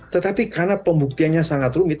tetapi karena pembuktiannya sangat rumit